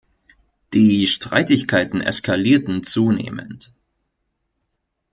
Die Streitigkeiten eskalierten zunehmend.